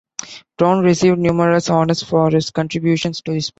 Brown received numerous honors for his contributions to the sport.